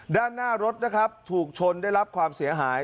ด้านหน้ารถนะครับถูกชนได้รับความเสียหาย